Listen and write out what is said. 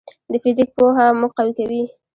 د فزیک پوهه موږ قوي کوي.